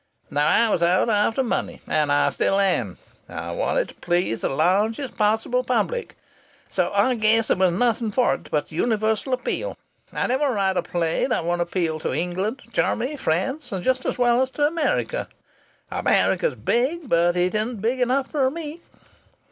Now I was out after money. And I still am. I wanted to please the largest possible public. So I guessed there was nothing for it but the universal appeal. I never write a play that won't appeal to England, Germany, France just as well as to America. America's big, but it isn't big enough for me....